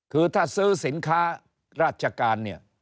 คือถ้าซื้อสินค้าราชการเนี่ย